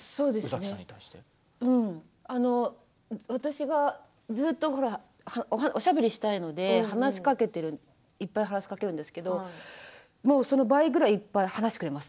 私がずっとおしゃべりしたいので話しかけていっぱい話しかけるんですけれどもうその倍ぐらいいっぱい話してくれます。